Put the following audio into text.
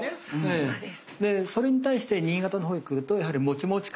そうです。